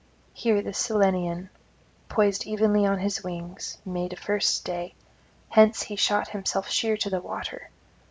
Here the Cyllenian, poised evenly on his wings, made a first stay; hence he shot himself sheer to the water.